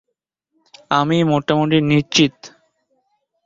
আমি মোটামুটি নিশ্চিত।